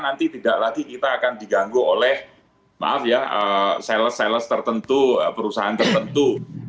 nanti tidak lagi kita akan diganggu oleh maaf ya sales sales tertentu perusahaan tertentu